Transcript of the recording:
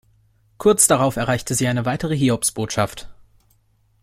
Kurz darauf erreichte sie eine weitere Hiobsbotschaft.